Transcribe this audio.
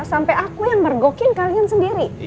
sampai aku yang mergokin kalian sendiri